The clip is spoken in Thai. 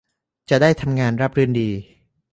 จะได้ทำงานราบรื่นดี